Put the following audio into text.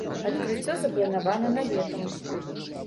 Адкрыццё запланавана на лета.